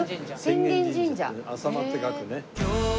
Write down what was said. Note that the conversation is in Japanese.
「浅間」って書くね。